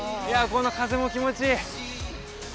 この風も気持ちいい！